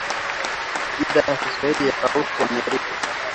idhaa ya kiswahili ya sauti ya Amerika